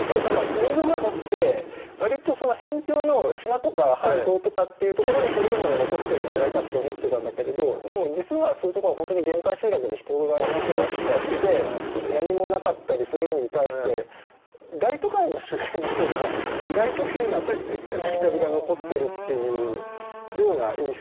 民俗学って割と辺境の島とか半島とかっていうところに古いもの残ってるんじゃないかって思ってたんだけれどでも実はそういうところは本当に限界集落で人がいなくなっちゃって何もなかったりするのに対して大都会の周辺の方が意外と変なしきたりが残ってるっていうような印象